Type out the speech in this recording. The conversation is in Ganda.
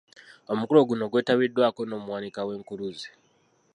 Omukolo guno gwetabiddwako n’omuwanika w’Enkuluze.